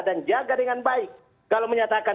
dan jaga dengan baik kalau menyatakan